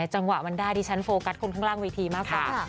จังหวะมันได้ดิฉันโฟกัสคนข้างล่างเวทีมากกว่า